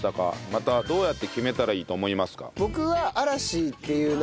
「またどうやって決めたらいいと思いますか？」